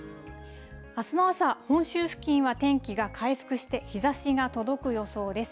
あすの朝、本州付近は天気が回復して日ざしが届く予想です。